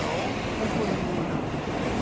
本当にいい」。なんていうんでね。